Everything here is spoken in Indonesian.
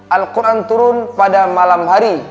alquran turun pada malam hari